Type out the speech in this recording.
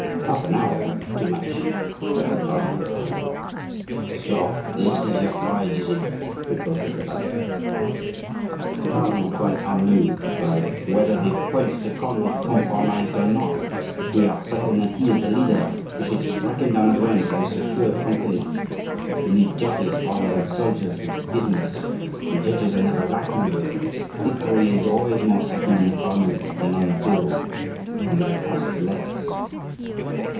"Half an hour would be too much," cried the cardinal, alarmed. "So this is your courage, is it?" retorted the Balafre. The cardinal, quite unmoved, replied: "Whether the Prince de Conde is compromised or not, if we are certain that he is the leader, we should strike him down at once and secure tranquillity. We need judges rather than soldiers for this business—and judges are never lacking. Victory is always more certain in the parliament than on the field, and it costs less."